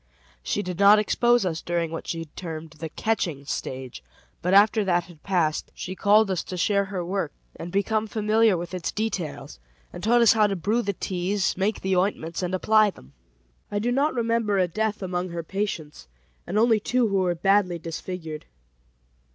She did not expose us during what she termed the "catching stage," but after that had passed, she called us to share her work and become familiar with its details, and taught us how to brew the teas, make the ointments, and apply them. I do not remember a death among her patients, and only two who were badly disfigured.